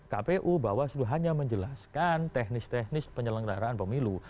kpu bawaslu hanya menjelaskan teknis teknis penyelenggaraan pemilu